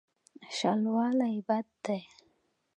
شلوالی بد دی.